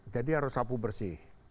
jadi harus sapu bersih